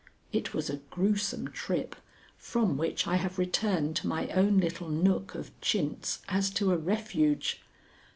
It was a gruesome trip, from which I have returned to my own little nook of chintz as to a refuge.